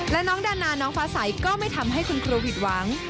และน้องดานาน้องฟ้าใสก็ไม่ทำให้คุณครูผิดหวัง